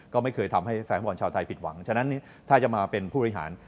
ก็ไม่เคยทำให้แฟนฟุตบอลชาวไทยผิดหวังฉะนั้นถ้าจะมาเป็นผู้บริหาร